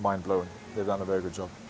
mereka melakukan pekerjaan yang sangat baik